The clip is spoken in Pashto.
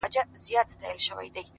هره ورځ د نوي فصل لومړۍ پاڼه ده!.